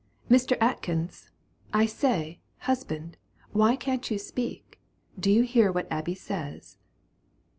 "Mr. Atkins, I say! Husband, why can't you speak? Do you hear what Abby says?"